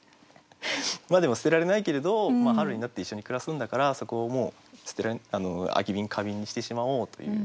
でも捨てられないけれど春になって一緒に暮らすんだからそこをもう空き瓶花瓶にしてしまおうという。